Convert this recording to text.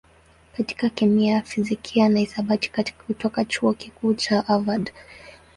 katika kemia, fizikia na hisabati kutoka Chuo Kikuu cha Harvard.